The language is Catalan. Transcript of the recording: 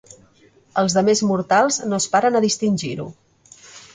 Els demés mortals no es paren a distingir-ho.